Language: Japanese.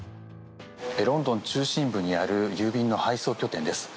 ロンドン中心部にある郵便の配送拠点です。